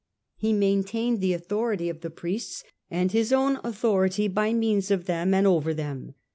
He maintained the autho rity of the priests, and his own authority by means of them and over them.